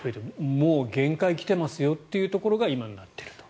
もう限界来てますよというところが今になっていると。